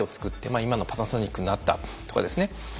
今のパナソニックになったとかですね。